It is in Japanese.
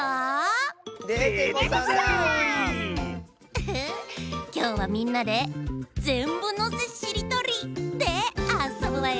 ウフきょうはみんなで「ぜんぶのせしりとり」であそぶわよ。